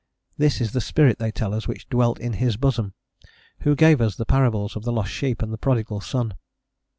This is the spirit, they tell us, which dwelt in his bosom, who gave us the parables of the lost sheep and the prodigal son.